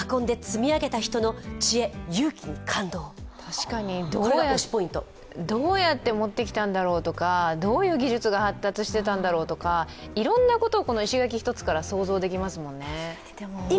確かに、どうやって持ってきたんだろうとか、どういう技術が発達していたんだろうとかいろんなことを石垣一つから想像できますもんね。